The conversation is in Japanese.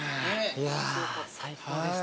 いや最高でした。